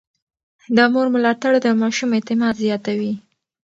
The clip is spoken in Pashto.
د مور ملاتړ د ماشوم اعتماد زياتوي.